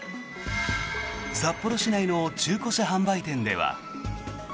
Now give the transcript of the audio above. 札幌市内の中古車販売店では。